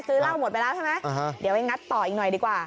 เหล้าหมดไปแล้วใช่ไหมเดี๋ยวไปงัดต่ออีกหน่อยดีกว่า